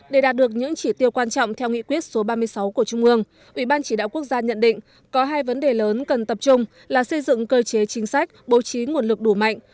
để đạt được những chỉ tiêu quan trọng theo nghị quyết số ba mươi sáu của trung ương ủy ban chỉ đạo quốc gia nhận định có hai vấn đề lớn cần tập trung là xây dựng cơ chế chính sách bố trí nguồn lực đủ mạnh